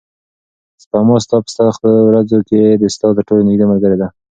سپما ستا په سختو ورځو کې ستا تر ټولو نږدې ملګرې ده.